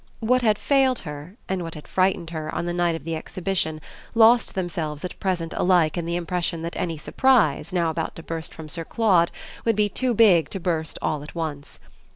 What had failed her and what had frightened her on the night of the Exhibition lost themselves at present alike in the impression that any "surprise" now about to burst from Sir Claude would be too big to burst all at once.